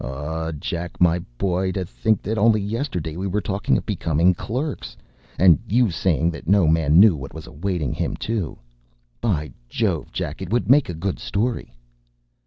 O Jack, my boy, to think that only yesterday we were talking of becoming clerks, and you saying that no man knew what was awaiting him, too! By Jove, Jack, it would make a good story!